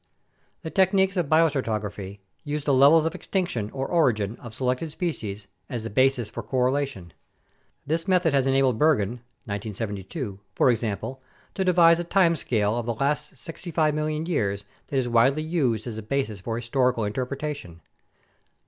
The techniques of biostratigraphy use the levels of extinction or origin of selected species as the basis for correlation. This method has enabled Berggren (1972), for example, to devise a time scale of the past 65,000,000 years that is widely used as a basis for historical inter pretation.